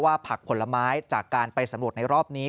ผักผลไม้จากการไปสำรวจในรอบนี้